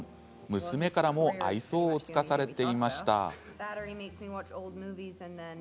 娘からも愛想を尽かされていました。